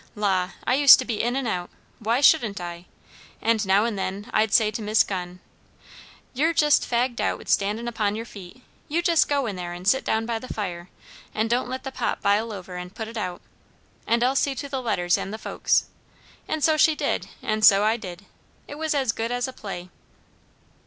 "La! I used to be in and out; why shouldn't I? And now and then I'd say to Miss Gunn 'You're jest fagged out with standin' upon your feet; you jes' go in there and sit down by the fire, and don't let the pot bile over and put it out; and I'll see to the letters and the folks.' And so she did, and so I did. It was as good as a play."